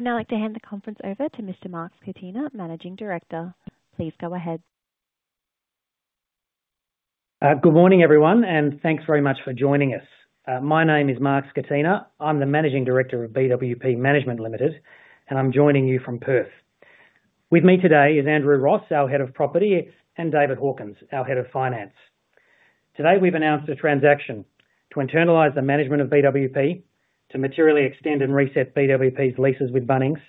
I would now like to hand the conference over to Mr. Mark Scatena, Managing Director. Please go ahead. Good morning, everyone, and thanks very much for joining us. My name is Mark Scatena. I'm the Managing Director of BWP Management Limited, and I'm joining you from Perth. With me today are Andrew Ross, our Head of Property, and David Hawkins, our Head of Finance. Today we've announced a transaction to internalize the management of BWP, to materially extend and reset BWP's leases with Bunnings,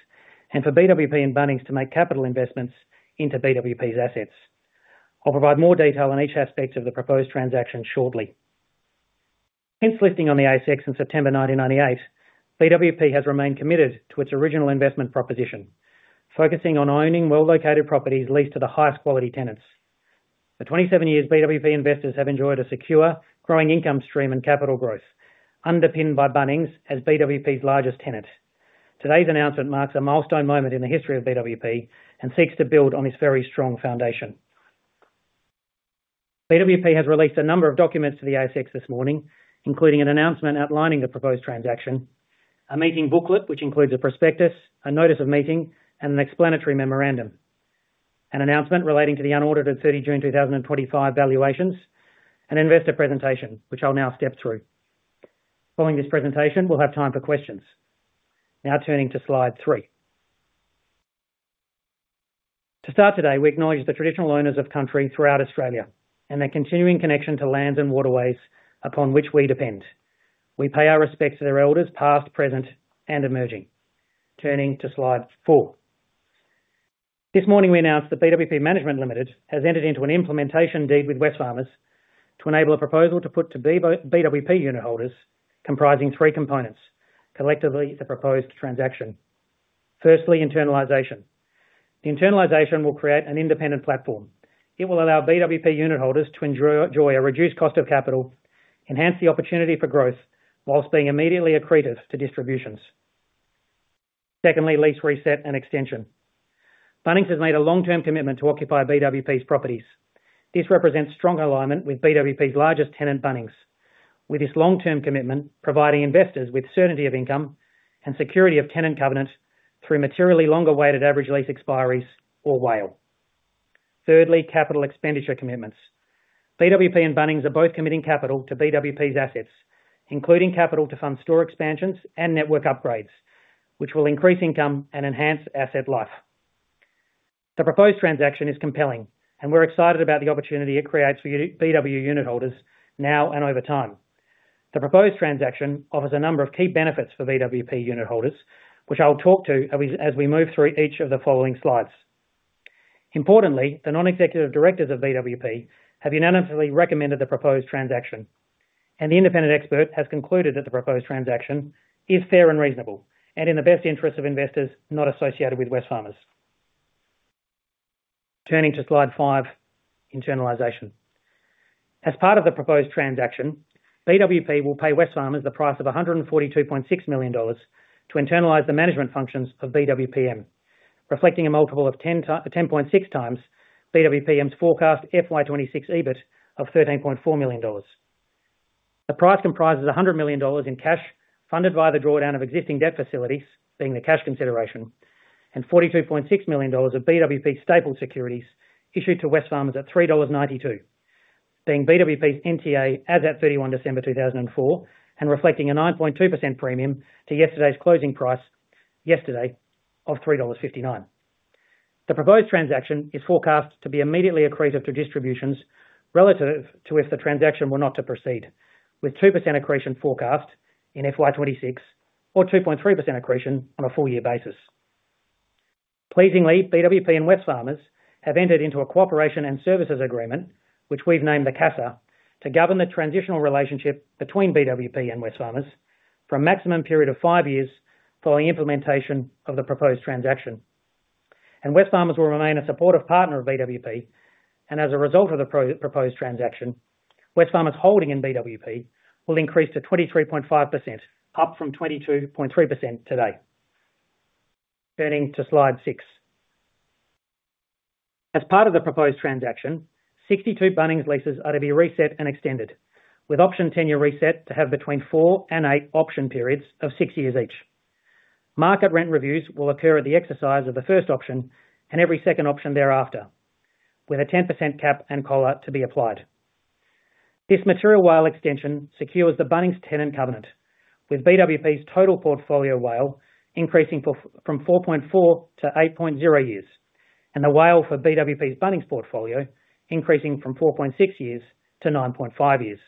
and for BWP and Bunnings to make capital investments into BWP's assets. I'll provide more detail on each aspect of the proposed transaction shortly. Since listing on the ASX in September 1998, BWP has remained committed to its original investment proposition, focusing on owning well-located properties leased to the highest quality tenants. For 27 years, BWP investors have enjoyed a secure, growing income stream and capital growth, underpinned by Bunnings as BWP's largest tenant. Today's announcement marks a milestone moment in the history of BWP and seeks to build on this very strong foundation. BWP has released a number of documents to the ASX this morning, including an announcement outlining the proposed transaction, a meeting booklet which includes a prospectus, a notice of meeting, and an explanatory memorandum, an announcement relating to the unaudited June 30th, 2025 valuations, and an investor presentation, which I'll now step through. Following this presentation, we'll have time for questions. Now turning to slide three. To start today, we acknowledge the traditional owners of country throughout Australia and their continuing connection to lands and waterways upon which we depend. We pay our respects to their elders past, present, and emerging. Turning to slide four. This morning, we announced that BWP Management Limited has entered into an implementation deed with Wesfarmers to enable a proposal to put to BWP unit holders comprising three components, collectively the proposed transaction. Firstly, internalisation. The internalisation will create an independent platform. It will allow BWP unit holders to enjoy a reduced cost of capital, enhance the opportunity for growth whilst being immediately accretive to distributions. Secondly, lease reset and extension. Bunnings has made a long-term commitment to occupy BWP's properties. This represents strong alignment with BWP's largest tenant, Bunnings. With this long-term commitment, providing investors with certainty of income and security of tenant covenant through materially longer weighted average lease expiries, or WAEL. Thirdly, capital expenditure commitments. BWP and Bunnings are both committing capital to BWP's assets, including capital to fund store expansions and network upgrades, which will increase income and enhance asset life. The proposed transaction is compelling, and we're excited about the opportunity it creates for BWP unit holders now and over time. The proposed transaction offers a number of key benefits for BWP unit holders, which I'll talk to as we move through each of the following slides. Importantly, the non-executive directors of BWP have unanimously recommended the proposed transaction, and the independent expert has concluded that the proposed transaction is fair and reasonable and in the best interests of investors not associated with Wesfarmers. Turning to slide five, internalisation. As part of the proposed transaction, BWP will pay Wesfarmers the price of 142.6 million dollars to internalise the management functions of BWP Management Limited, reflecting a multiple of 10.6 times BWP Management Limited's forecast FY26 EBIT of 13.4 million dollars. The price comprises 100 million dollars in cash funded via the drawdown of existing debt facilities, being the cash consideration, and 42.6 million dollars of BWP's staple securities issued to Wesfarmers at 3.92 dollars, being BWP's NTA as at 31 December 2004 and reflecting a 9.2% premium to yesterday's closing price yesterday of 3.59 dollars. The proposed transaction is forecast to be immediately accretive to distributions relative to if the transaction were not to proceed, with 2% accretion forecast in FY 26 or 2.3% accretion on a full-year basis. Pleasingly, BWP and Wesfarmers have entered into a cooperation and services agreement, which we've named the CASA, to govern the transitional relationship between BWP and Wesfarmers for a maximum period of five years following implementation of the proposed transaction. Wesfarmers will remain a supportive partner of BWP, and as a result of the proposed transaction, Wesfarmers' holding in BWP will increase to 23.5%, up from 22.3% today. Turning to slide six. As part of the proposed transaction, 62 Bunnings leases are to be reset and extended, with option tenure reset to have between four and eight option periods of six years each. Market rent reviews will occur at the exercise of the first option and every second option thereafter, with a 10% cap and collar to be applied. This material WAEL extension secures the Bunnings tenant covenant, with BWP's total portfolio WAEL increasing from 4.4 years-8.0 years, and the WAEL for BWP's Bunnings portfolio increasing from 4.6 years to 9.5 years.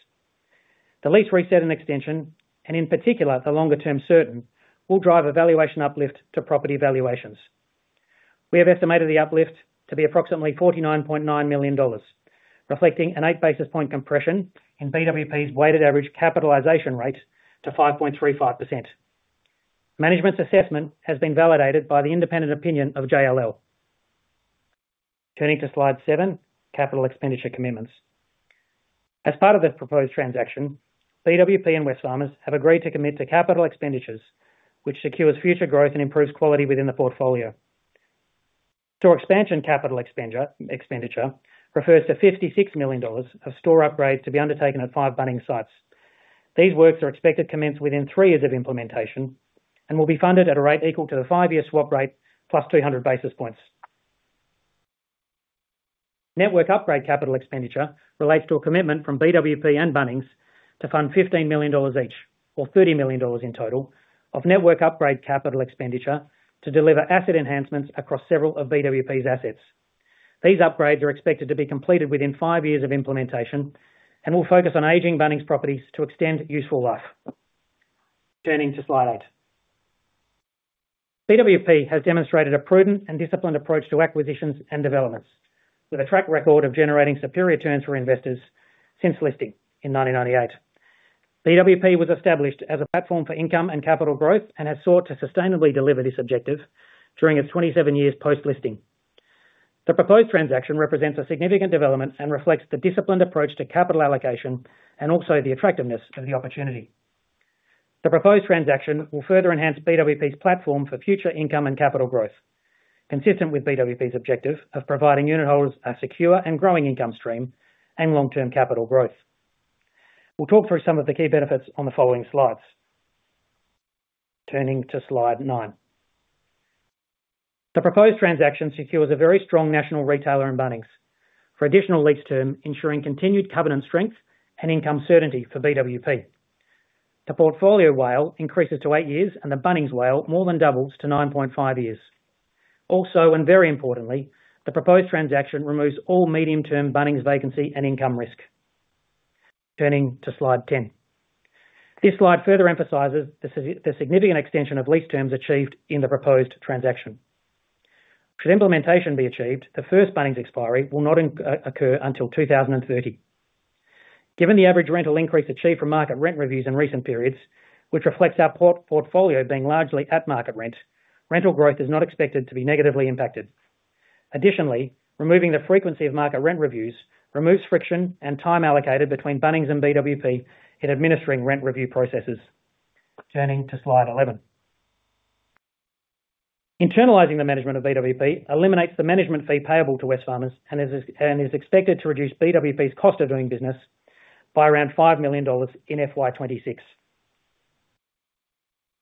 The lease reset and extension, and in particular the longer-term certainty, will drive a valuation uplift to property valuations. We have estimated the uplift to be approximately 49.9 million dollars, reflecting an eight-basis point compression in BWP's weighted average capitalisation rate to 5.35%. Management's assessment has been validated by the independent opinion of JLL. Turning to slide seven, capital expenditure commitments. As part of the proposed transaction, BWP and Wesfarmers have agreed to commit to capital expenditures, which secures future growth and improves quality within the portfolio. Store expansion capital expenditure refers to 56 million dollars of store upgrades to be undertaken at five Bunnings sites. These works are expected to commence within three years of implementation and will be funded at a rate equal to the five-year swap rate plus 200 basis points. Network upgrade capital expenditure relates to a commitment from BWP and Bunnings to fund 15 million dollars each, or 30 million dollars in total, of network upgrade capital expenditure to deliver asset enhancements across several of BWP's assets. These upgrades are expected to be completed within five years of implementation and will focus on aging Bunnings properties to extend useful life. Turning to slide eight. BWP has demonstrated a prudent and disciplined approach to acquisitions and developments, with a track record of generating superior returns for investors since listing in 1998. BWP was established as a platform for income and capital growth and has sought to sustainably deliver this objective during its 27 years post-listing. The proposed transaction represents a significant development and reflects the disciplined approach to capital allocation and also the attractiveness of the opportunity. The proposed transaction will further enhance BWP's platform for future income and capital growth, consistent with BWP's objective of providing unit holders a secure and growing income stream and long-term capital growth. We'll talk through some of the key benefits on the following slides. Turning to slide nine. The proposed transaction secures a very strong national retailer in Bunnings for additional lease term, ensuring continued covenant strength and income certainty for BWP. The portfolio WAEL increases to 8 years, and the Bunnings WAEL more than doubles to 9.5 years. Also, and very importantly, the proposed transaction removes all medium-term Bunnings vacancy and income risk. Turning to slide 10. This slide further emphasizes the significant extension of lease terms achieved in the proposed transaction. Should implementation be achieved, the first Bunnings expiry will not occur until 2030. Given the average rental increase achieved from market rent reviews in recent periods, which reflects our portfolio being largely at market rent, rental growth is not expected to be negatively impacted. Additionally, removing the frequency of market rent reviews removes friction and time allocated between Bunnings and BWP in administering rent review processes. Turning to slide 11. Internalising the management of BWP eliminates the management fee payable to Wesfarmers and is expected to reduce BWP's cost of doing business by around 5 million dollars in FY 26.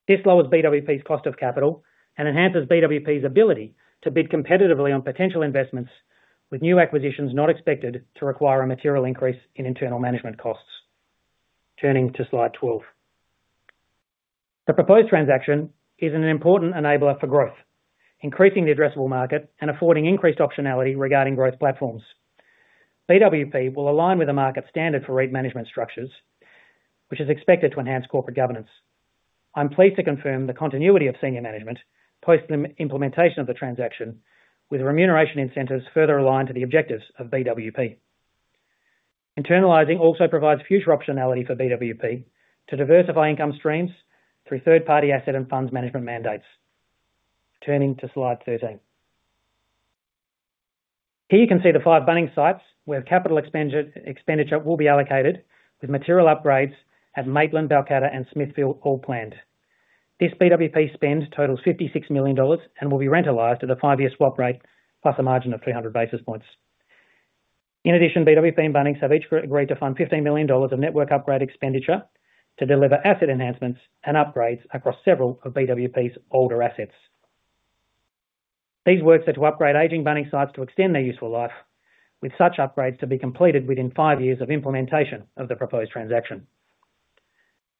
This lowers BWP's cost of capital and enhances BWP's ability to bid competitively on potential investments, with new acquisitions not expected to require a material increase in internal management costs. Turning to slide twelve. The proposed transaction is an important enabler for growth, increasing the addressable market and affording increased optionality regarding growth platforms. BWP will align with the market standard for REIT management structures, which is expected to enhance corporate governance. I'm pleased to confirm the continuity of senior management post-implementation of the transaction, with remuneration incentives further aligned to the objectives of BWP. Internalising also provides future optionality for BWP to diversify income streams through third-party asset and funds management mandates. Turning to slide thirteen. Here you can see the five Bunnings sites where capital expenditure will be allocated, with material upgrades at Maitland, Belconnen, and Smithfield all planned. This BWP spend totals 56 million dollars and will be rentalised at a five-year swap rate plus a margin of 300 basis points. In addition, BWP and Bunnings have each agreed to fund 15 million dollars of network upgrade expenditure to deliver asset enhancements and upgrades across several of BWP's older assets. These works are to upgrade aging Bunnings sites to extend their useful life, with such upgrades to be completed within five years of implementation of the proposed transaction.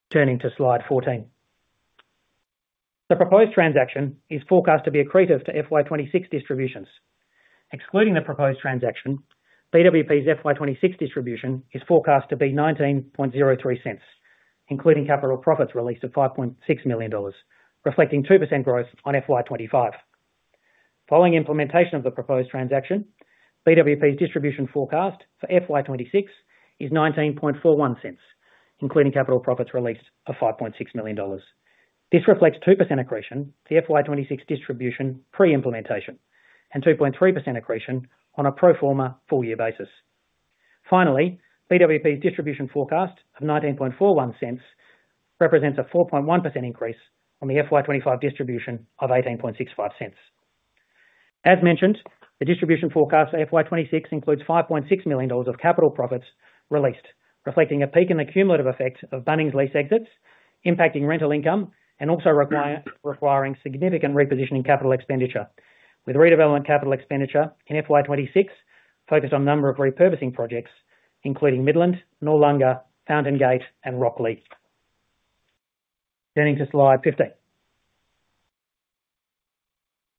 Turning to slide fourteen. The proposed transaction is forecast to be accretive to FY 26 distributions. Excluding the proposed transaction, BWP's FY 26 distribution is forecast to be 19.03 cents, including capital profits released of 5.6 million dollars, reflecting 2% growth on FY 25. Following implementation of the proposed transaction, BWP's distribution forecast for FY 26 is 19.41 cents, including capital profits released of 5.6 million dollars. This reflects 2% accretion to FY 26 distribution pre-implementation and 2.3% accretion on a pro forma full-year basis. Finally, BWP's distribution forecast of 19.41 cents represents a 4.1% increase on the FY 25 distribution of 18.65 cents. As mentioned, the distribution forecast for FY26 includes 5.6 million dollars of capital profits released, reflecting a peak in the cumulative effect of Bunnings lease exits, impacting rental income and also requiring significant repositioning capital expenditure, with redevelopment capital expenditure in FY 26 focused on a number of repurposing projects, including Midland, Noarlunga, Fountain Gate, and Rocklea. Turning to slide fifteen.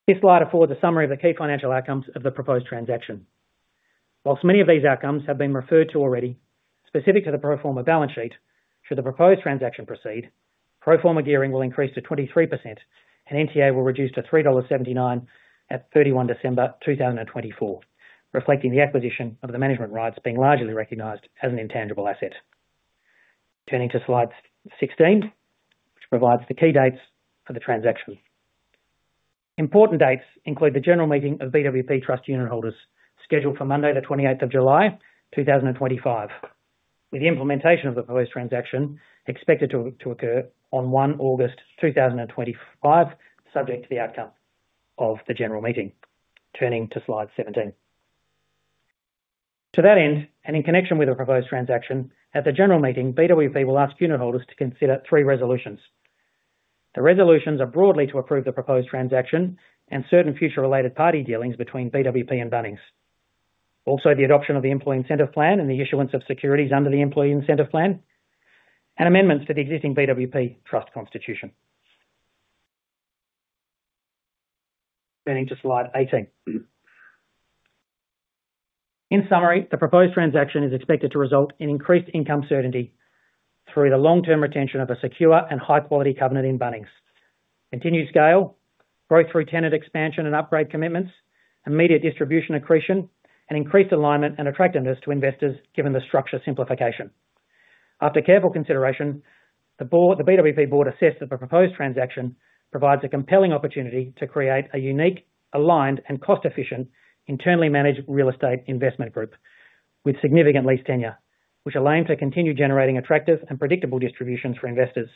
This slide affords a summary of the key financial outcomes of the proposed transaction. Whilst many of these outcomes have been referred to already, specific to the pro forma balance sheet, should the proposed transaction proceed, pro forma gearing will increase to 23% and NTA will reduce to 3.79 dollars at 31 December 2024, reflecting the acquisition of the management rights being largely recognized as an intangible asset. Turning to slide sixteen, which provides the key dates for the transaction. Important dates include the general meeting of BWP Trust unit holders scheduled for Monday, the 28th of July 2025, with the implementation of the proposed transaction expected to occur on 1 August, 2025, subject to the outcome of the general meeting. Turning to slide seventeen. To that end, and in connection with the proposed transaction, at the general meeting, BWP will ask unit holders to consider three resolutions. The resolutions are broadly to approve the proposed transaction and certain future-related party dealings between BWP and Bunnings. Also, the adoption of the employee incentive plan and the issuance of securities under the employee incentive plan, and amendments to the existing BWP Trust Constitution. Turning to slide eighteen. In summary, the proposed transaction is expected to result in increased income certainty through the long-term retention of a secure and high-quality covenant in Bunnings, continued scale, growth through tenant expansion and upgrade commitments, immediate distribution accretion, and increased alignment and attractiveness to investors given the structure simplification. After careful consideration, the BWP board assessed that the proposed transaction provides a compelling opportunity to create a unique, aligned, and cost-efficient internally managed real estate investment group with significant lease tenure, which will aim to continue generating attractive and predictable distributions for investors.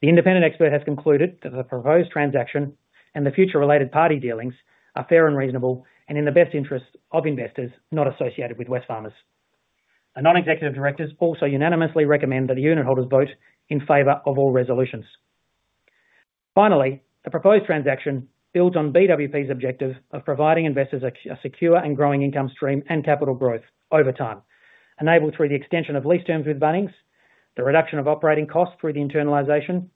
The independent expert has concluded that the proposed transaction and the future-related party dealings are fair and reasonable and in the best interest of investors not associated with Wesfarmers. The non-executive directors also unanimously recommend that the unit holders vote in favor of all resolutions. Finally, the proposed transaction builds on BWP's objective of providing investors a secure and growing income stream and capital growth over time, enabled through the extension of lease terms with Bunnings, the reduction of operating costs through the internalisation,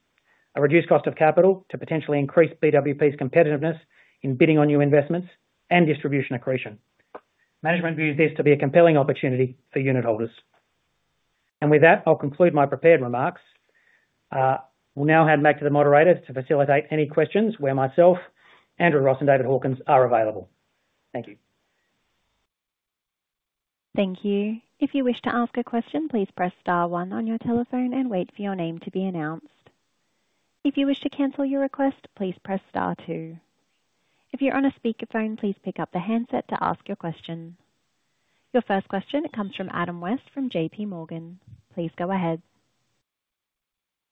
a reduced cost of capital to potentially increase BWP's competitiveness in bidding on new investments and distribution accretion. Management views this to be a compelling opportunity for unit holders. I'll conclude my prepared remarks. We'll now hand back to the moderators to facilitate any questions where myself, Andrew Ross, and David Hawkins are available. Thank you. Thank you. "If you wish to ask a question, please press star one" on your telephone and wait for your name to be announced. If you wish to cancel your request, please "press star two". If you're on a speakerphone, please pick up the handset to ask your question. Your first question comes from Adam West from JP Morgan. Please go ahead.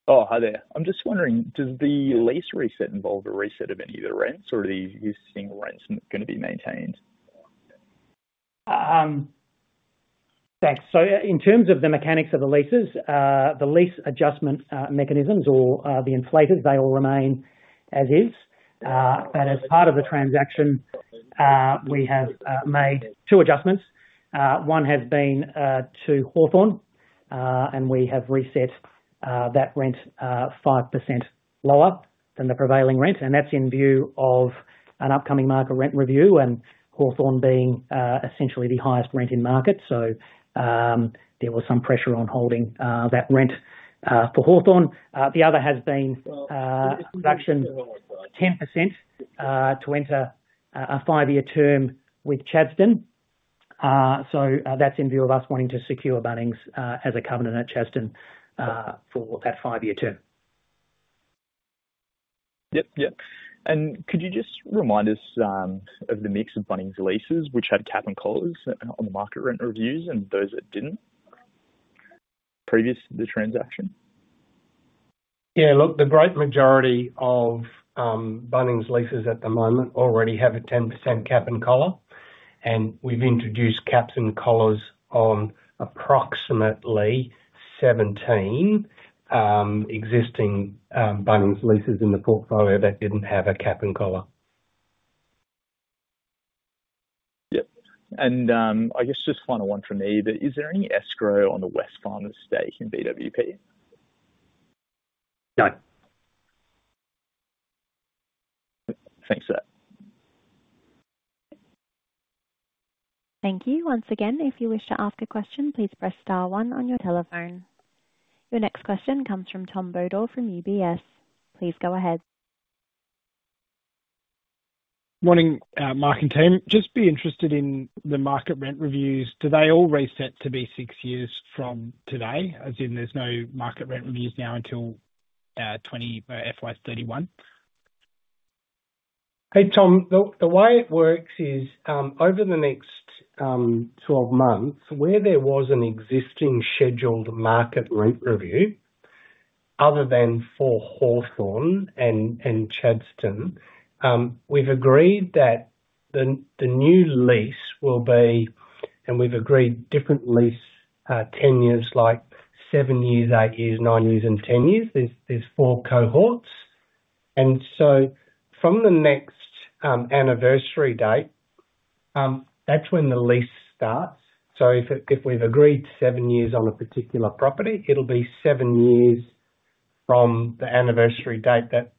Oh, hi there. I'm just wondering, does the lease reset involve a reset of any of the rents, or are these existing rents going to be maintained? Thanks. In terms of the mechanics of the leases, the lease adjustment mechanisms or the inflators, they will remain as is. As part of the transaction, we have made two adjustments. One has been to Hawthorn, and we have reset that rent 5% lower than the prevailing rent. That is in view of an upcoming market rent review and Hawthorn being essentially the highest rent in market. There was some pressure on holding that rent for Hawthorn. The other has been a reduction of 10% to enter a five-year term with Chadstone. That is in view of us wanting to secure Bunnings as a covenant at Chadstone for that five-year term. Yep, yep. Could you just remind us of the mix of Bunnings leases which had cap and collars on the market rent reviews and those that did not previous to the transaction? Yeah, look, the great majority of Bunnings leases at the moment already have a 10% cap and collar, and we have introduced caps and collars on approximately 17 existing Bunnings leases in the portfolio that did not have a cap and collar. Yep. I guess just final one from me. Is there any escrow on the Wesfarmers estate in BWP? No. Thanks for that. Thank you. Once again, if you wish to ask a question, please"press star one" on your telephone. Your next question comes from Tom Bodor from UBS. Please go ahead. Morning, Mark and team. Just be interested in the market rent reviews. Do they all reset to be six years from today? As in, there's no market rent reviews now until FY31? Hey, Tom, the way it works is over the next 12 months, where there was an existing scheduled market rent review other than for Hawthorn and Chadstone, we've agreed that the new lease will be, and we've agreed different lease tenures like seven years, eight years, nine years, and ten years. There's four cohorts. And so from the next anniversary date, that's when the lease starts. If we've agreed seven years on a particular property, it'll be seven years from the anniversary date that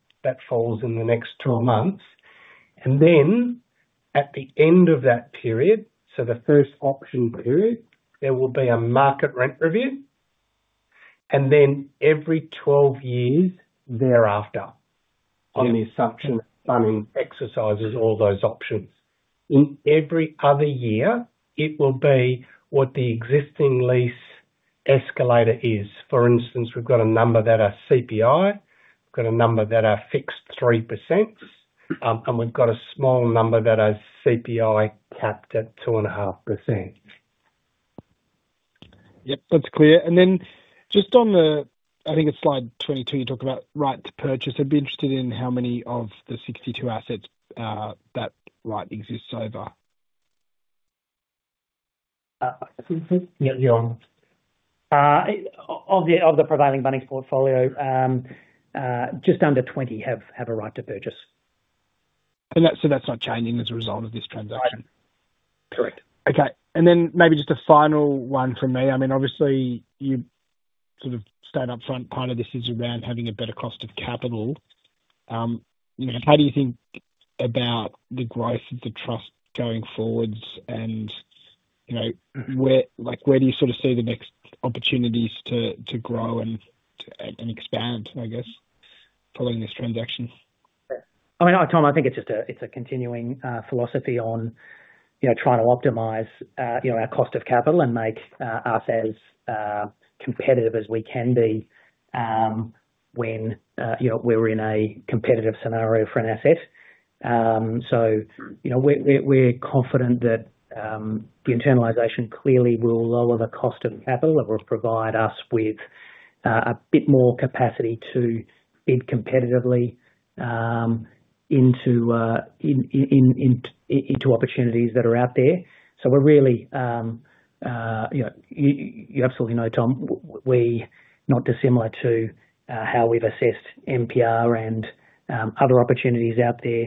falls in the next 12 months. At the end of that period, so the first option period, there will be a market rent review. Every 12 years thereafter, on the assumption that Bunnings exercises all those options. In every other year, it will be what the existing lease escalator is. For instance, we've got a number that are CPI, we've got a number that are fixed 3%, and we've got a small number that are CPI capped at 2.5%. Yep, that's clear. Just on the, I think it's slide 22, you talk about right to purchase. I'd be interested in how many of the 62 assets that right exists over. You're on. Of the prevailing Bunnings portfolio, just under 20 have a right to purchase. That is not changing as a result of this transaction. Correct. Okay. Maybe just a final one from me. I mean, obviously, you sort of state upfront part of this is around having a better cost of capital. How do you think about the growth of the Trust going forwards? Where do you sort of see the next opportunities to grow and expand, I guess, following this transaction? I mean, Tom, I think it is a continuing philosophy on trying to optimize our cost of capital and make us as competitive as we can be when we are in a competitive scenario for an asset. We are confident that the internalisation clearly will lower the cost of capital and will provide us with a bit more capacity to bid competitively into opportunities that are out there. We're really, you absolutely know, Tom, we're not dissimilar to how we've assessed MPR and other opportunities out there.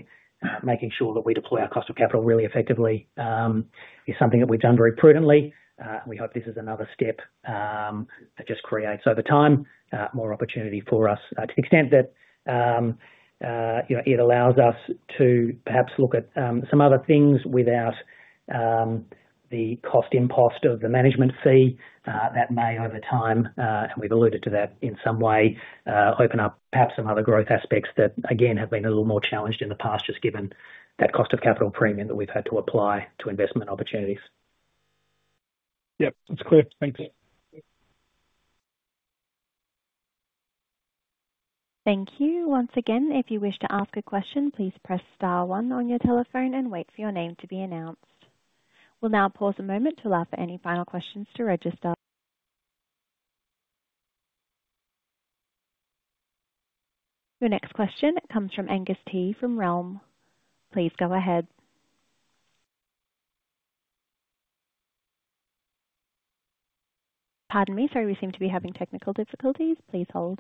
Making sure that we deploy our cost of capital really effectively is something that we've done very prudently. We hope this is another step that just creates over time more opportunity for us to the extent that it allows us to perhaps look at some other things without the cost impost of the management fee that may over time, and we've alluded to that in some way, open up perhaps some other growth aspects that, again, have been a little more challenged in the past, just given that cost of capital premium that we've had to apply to investment opportunities. Yep, that's clear. Thanks. Thank you. Once again, if you wish to ask a question, please "press star one" on your telephone and wait for your name to be announced. We'll now pause a moment to allow for any final questions to register. Your next question comes from Angus Tighe from Realm. Please go ahead. Pardon me, sorry, we seem to be having technical difficulties. Please hold.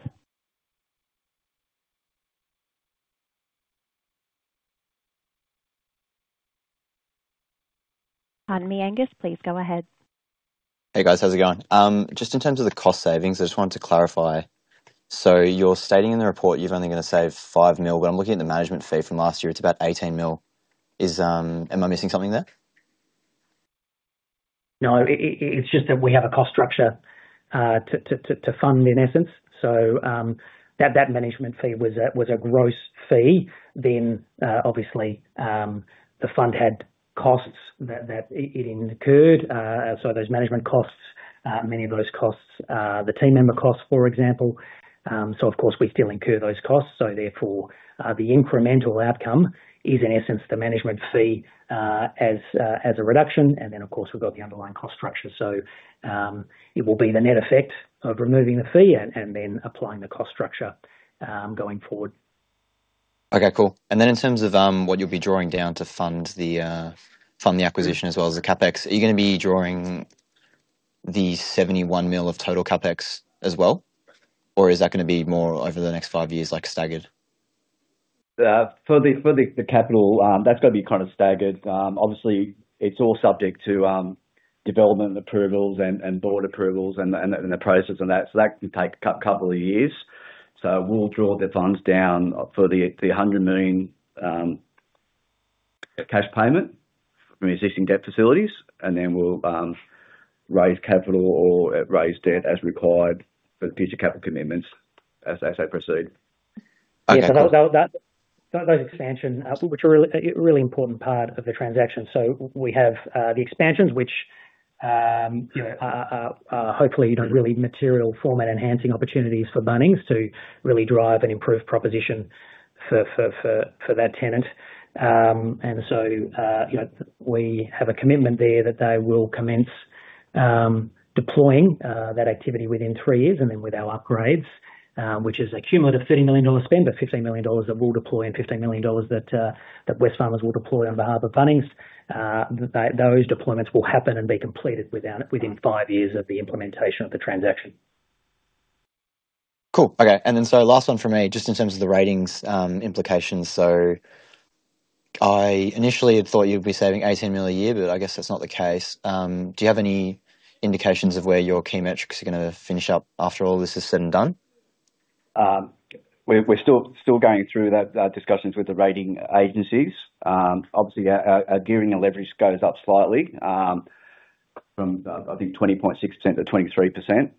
Pardon me, Angus, please go ahead. Hey, guys, how's it going? Just in terms of the cost savings, I just wanted to clarify. So you're stating in the report you're only going to save 5 million, but I'm looking at the management fee from last year, it's about 18 million. Am I missing something there? No, it's just that we have a cost structure to fund, in essence. So that management fee was a gross fee. Then obviously, the fund had costs that it incurred. So those management costs, many of those costs, the team member costs, for example. Of course, we still incur those costs. Therefore, the incremental outcome is, in essence, the management fee as a reduction. Then, of course, we have the underlying cost structure. It will be the net effect of removing the fee and then applying the cost structure going forward. Okay, cool. In terms of what you will be drawing down to fund the acquisition as well as the CapEx, are you going to be drawing the 71 million of total CapEx as well, or is that going to be more over the next five years, like staggered? For the capital, that is going to be kind of staggered. Obviously, it is all subject to development approvals and board approvals and the process and that. That can take a couple of years. We'll draw the funds down for the 100 million cash payment from existing debt facilities, and then we'll raise capital or raise debt as required for future capital commitments as they proceed. Yeah, those expansions, which are a really important part of the transaction. We have the expansions, which hopefully are really material format enhancing opportunities for Bunnings to really drive and improve proposition for that tenant. We have a commitment there that they will commence deploying that activity within three years, and then with our upgrades, which is a cumulative 30 million dollars spend, but 15 million dollars that we'll deploy and 15 million dollars that Wesfarmers will deploy on behalf of Bunnings. Those deployments will happen and be completed within five years of the implementation of the transaction. Cool. Okay. Last one for me, just in terms of the ratings implications. I initially had thought you'd be saving 18 million a year, but I guess that's not the case. Do you have any indications of where your key metrics are going to finish up after all this is said and done? We're still going through the discussions with the rating agencies. Obviously, our gearing and leverage goes up slightly from, I think, 20.6%-23%.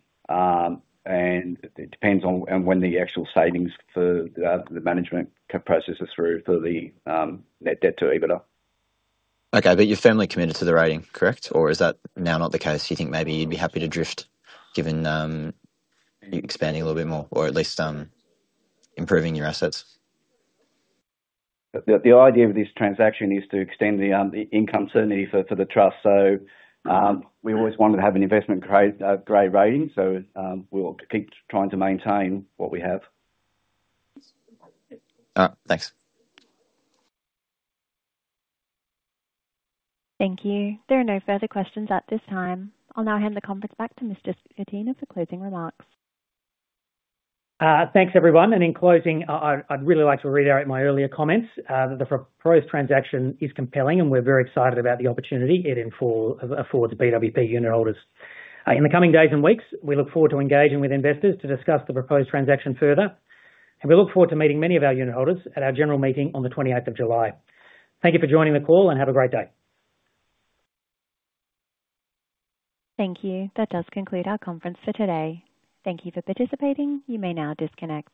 It depends on when the actual savings for the management process is through for the net debt to EBITDA. Okay. But you're firmly committed to the rating, correct? Or is that now not the case? You think maybe you'd be happy to drift given you expanding a little bit more or at least improving your assets? The idea of this transaction is to extend the income certainty for the Trust. We always wanted to have an investment-grade rating. We'll keep trying to maintain what we have. Thanks. Thank you. There are no further questions at this time. I'll now hand the conference back to Mr. Scatena for closing remarks. Thanks, everyone. In closing, I'd really like to reiterate my earlier comments that the proposed transaction is compelling, and we're very excited about the opportunity it affords BWP unit holders. In the coming days and weeks, we look forward to engaging with investors to discuss the proposed transaction further. We look forward to meeting many of our unit holders at our general meeting on the 28th of July. Thank you for joining the call, and have a great day. Thank you. That does conclude our conference for today. Thank you for participating. You may now disconnect.